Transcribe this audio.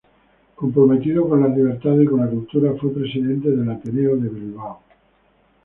Comprometido con las libertades y con la cultura, fue presidente del Ateneo de Bilbao.